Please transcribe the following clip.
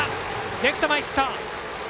レフト前ヒット。